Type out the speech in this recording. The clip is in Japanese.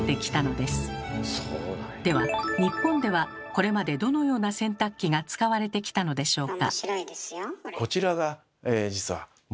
では日本ではこれまでどのような洗濯機が使われてきたのでしょうか？